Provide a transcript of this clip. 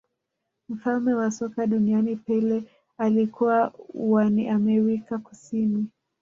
mfalme wa soka duniani pele alikuwa wa ni amerika kusini